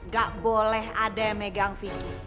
gak boleh ada yang megang vicky